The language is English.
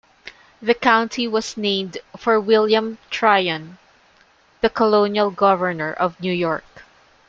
The county was named for William Tryon, the colonial governor of New York.